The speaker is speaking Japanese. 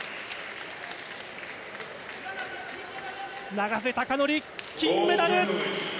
永瀬貴規、金メダル！